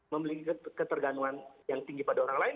memiliki ketergantungan yang tinggi pada orang lain